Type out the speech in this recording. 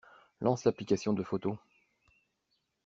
Lance l'application de photo